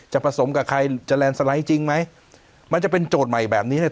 ผสมกับใครจะแลนด์สไลด์จริงไหมมันจะเป็นโจทย์ใหม่แบบนี้เนี่ย